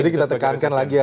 jadi kita tekankan lagi ya